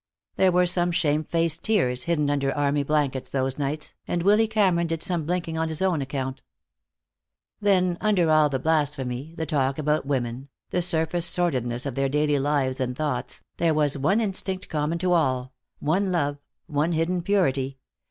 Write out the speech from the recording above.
There were some shame faced tears hidden under army blankets those nights, and Willy Cameron did some blinking on his own account. Then, under all the blasphemy, the talk about women, the surface sordidness of their daily lives and thoughts, there was one instinct common to all, one love, one hidden purity.